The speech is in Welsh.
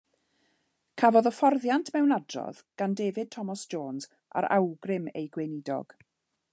Cafodd hyfforddiant mewn adrodd gan David Thomas Jones ar awgrym ei gweinidog.